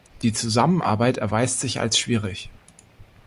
Die Zusammenarbeit erweist sich als schwierig.